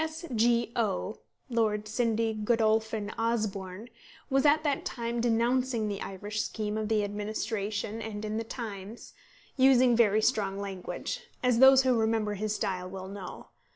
S. G. O. (Lord Sydney Godolphin Osborne) was at that time denouncing the Irish scheme of the Administration in the Times, using very strong language, as those who remember his style will know.